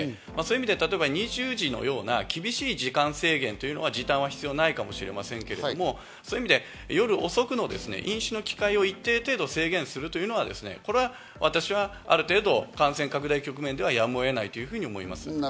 そういう意味で２１時のような厳しい時間制限というのは時短は必要ないかもしれませんけど、そういう意味で夜遅くの飲酒の機会を一定程度、制限するというのはこれは私はある程度感染拡大局面ではやむを得ないと思います。